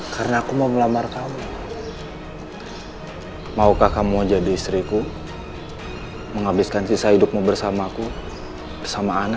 karena aku mau melamar kamu maukah kamu jadi istriku menghabiskan sisa hidupmu bersamaku bersama anak